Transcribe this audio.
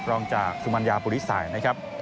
รองจากสุมัญญาปุริสัยนะครับ